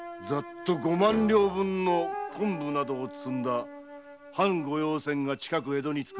五万両分の昆布などを積んだ藩御用船が近く江戸に着く。